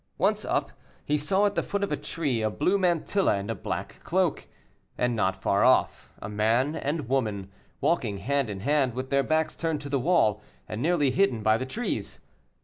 Once up, he saw at the foot of a tree a blue mantilla and a black cloak, and not far off a man and woman, walking hand in hand, with their backs turned to the wall, and nearly hidden by the trees.